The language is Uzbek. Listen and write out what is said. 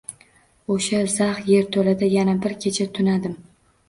O‘sha zax yerto‘lada yana bir kecha tunadim.